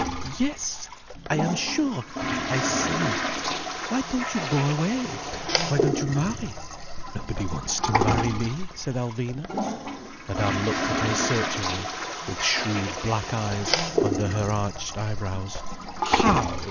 Yes! I am sure. I see it. Why don't you go away? Why don't you marry?" "Nobody wants to marry me," said Alvina. Madame looked at her searchingly, with shrewd black eyes under her arched eyebrows. "How!"